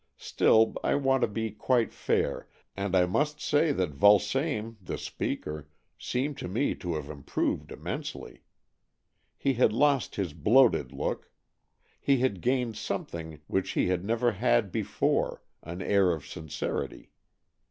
Still, I want to be quite fair, and I must say that Vulsame, the speaker, seemed to me to have improved immensely. He had lost his bloated look, He had gained something which he had 222 AN EXCHANGE OF SOULS never had before, an air of sincerity.